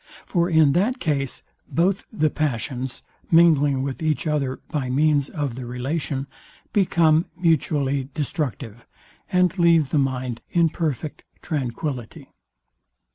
For in that case, both the passions, mingling with each other by means of the relation, become mutually destructive, and leave the mind in perfect tranquility.